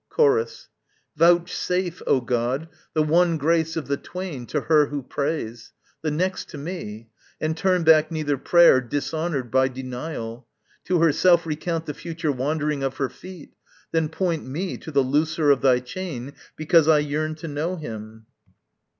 Chorus. Vouchsafe, O god, The one grace of the twain to her who prays; The next to me; and turn back neither prayer Dishonour'd by denial. To herself Recount the future wandering of her feet; Then point me to the looser of thy chain, Because I yearn to know him.